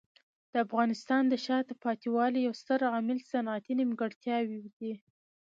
د افغانستان د شاته پاتې والي یو ستر عامل صنعتي نیمګړتیاوې دي.